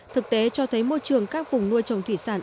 thực tế cho thấy môi trường các vùng nuôi trồng thủy sản